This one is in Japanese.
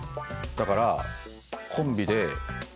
だからあ！